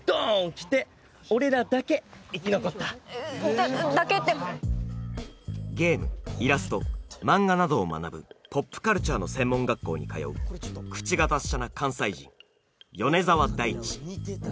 来て俺らだけ生き残っただけってゲームイラストマンガなどを学ぶポップカルチャーの専門学校に通う口が達者な関西人米澤大地